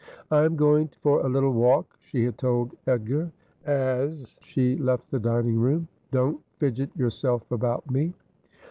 ' I am going for a little walk,' she had told Edgar, as she left the dining room ;' don't fidget yourself about me.'